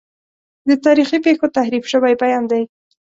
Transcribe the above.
د تاریخي پیښو تحریف شوی بیان دی.